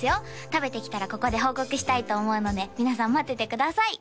食べてきたらここで報告したいと思うので皆さん待っててください